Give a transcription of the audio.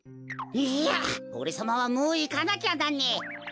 いやおれさまはもういかなきゃなんねえ。